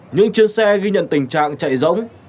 những chiến xe ghi nhận tình trạng chạy rỗng